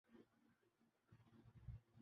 فطری تعلق پاکستان اور پھر چین سے ہی ہو سکتا ہے۔